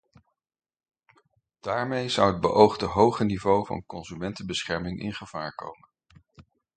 Daarmee zou het beoogde hoge niveau van consumentenbescherming in gevaar komen.